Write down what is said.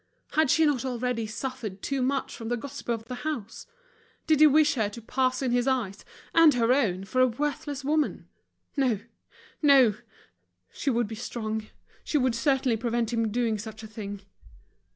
Had she not already suffered too much from the gossip of the house? Did he wish her to pass in his eyes and her own for a worthless woman? No, no, she would be strong, she would certainly prevent him doing such a thing.